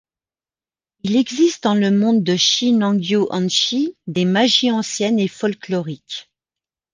Il existe dans le monde de Shin Angyo Onshi des magies anciennes et folkloriques.